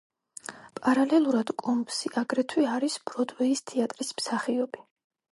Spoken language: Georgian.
პარალელურად, კომბსი აგრეთვე არის ბროდვეის თეატრის მსახიობი.